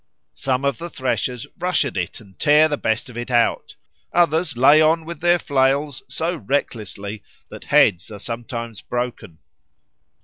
Some of the threshers rush at it and tear the best of it out; others lay on with their flails so recklessly that heads are sometimes broken.